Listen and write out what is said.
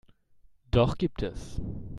Doch gibt es.